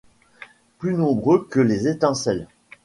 Plus nombreux que les étincelles